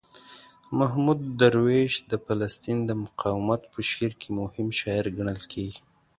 محمود درویش د فلسطین د مقاومت په شعر کې مهم شاعر ګڼل کیږي.